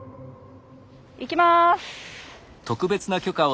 いきます！